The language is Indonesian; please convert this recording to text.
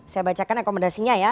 saya bacakan rekomendasinya ya